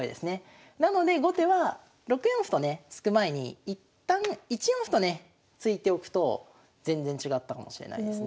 なので後手は６四歩とね突く前に一旦１四歩とね突いておくと全然違ったかもしれないですね。